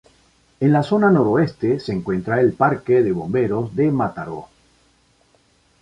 En la zona noroeste, se encuentra el Parque de Bomberos de Mataró.